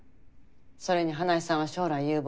それに花井さんは将来有望。